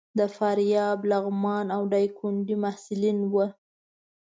د فاریاب، لغمان او ډایکنډي محصلین وو.